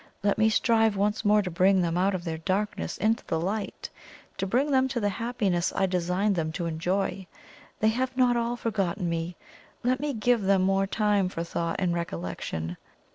Let me strive once more to bring them out of their darkness into the light to bring them to the happiness I designed them to enjoy. They have not all forgotten me let me give them more time for thought and recollection!"